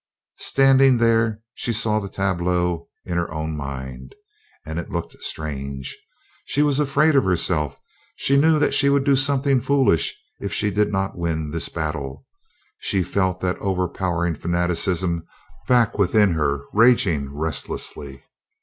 Standing there, she saw the tableau in her own mind, and it looked strange. She was afraid of herself. She knew that she would do something foolish if she did not win this battle. She felt that overpowering fanaticism back within her raging restlessly.